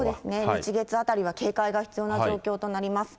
日、月あたりは警戒が必要な状況となります。